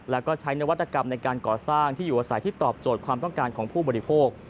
แล้วก็ใช้นวัตกรรมในการก่อสร้างที่อยู่อาศัยที่ตอบโจทย์ความต้องการของผู้บริโภค